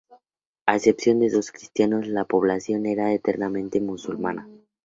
A excepción de dos cristianos, la población era enteramente musulmana.